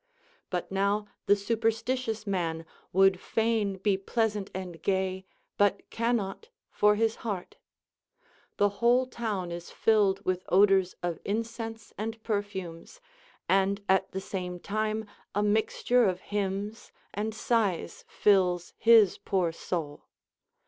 But now the superstitious man would fain be pleasant and gay, but can not for his heart. The Avhole town is filled with odors of incense and perfumes, and at the same time a mixture of hymns and sighs fills his poor soul.